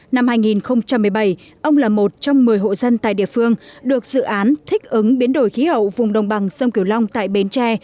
năm hai nghìn một mươi bảy ông là một trong một mươi hộ dân tại địa phương được dự án thích ứng biến đổi khí hậu vùng đồng bằng sông kiều long tại bến tre